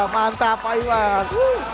mantap pak iwan